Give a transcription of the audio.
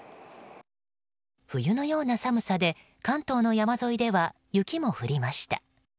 冬のような寒さで関東の山沿いでは雪も降りました。